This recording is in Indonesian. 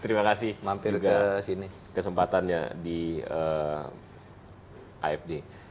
terima kasih juga kesempatannya di afd